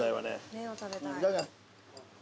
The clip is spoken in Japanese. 麺を食べたい。